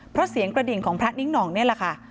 เพราะเสียงกระดิ่งของพระนิ้งหน่องนี่แหละค่ะ